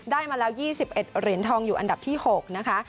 มาแล้ว๒๑เหรียญทองอยู่อันดับที่๖นะคะ